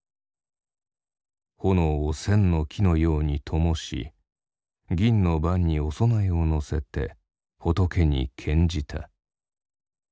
「炎を千の樹のようにともし銀の盤にお供えをのせて仏に献じた」。